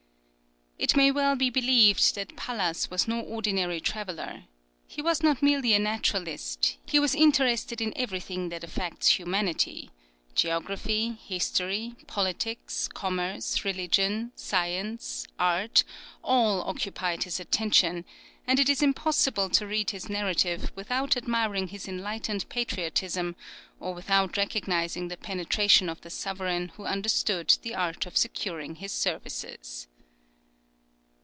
It may well be believed that Pallas was no ordinary traveller. He was not merely a naturalist; he was interested in everything that affects humanity; geography, history, politics, commerce, religion, science, art, all occupied his attention; and it is impossible to read his narrative without admiring his enlightened patriotism, or without recognizing the penetration of the sovereign who understood the art of securing his services.